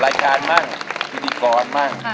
รายการมั่งพิธีกรมั่ง